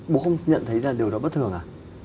bố không nhận thấy là điều đó bất thường ạ